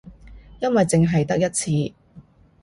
因為淨係得一次